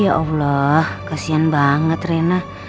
ya allah kasian banget rena